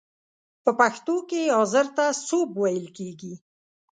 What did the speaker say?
په پښتو کې حاضر ته سوب ویل کیږی.